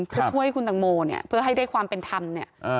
เพื่อช่วยคุณตังโมเนี่ยเพื่อให้ได้ความเป็นธรรมเนี่ย